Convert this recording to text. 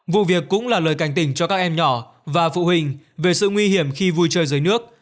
vụ việc cũng là lời cảnh tỉnh cho các em nhỏ và phụ huynh về sự nguy hiểm khi vui chơi dưới nước